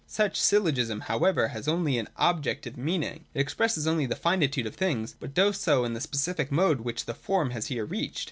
Such Syllogism however has also an objective meaning; it expresses only the finitude of things, but does so in the specific mode which the form has here reached.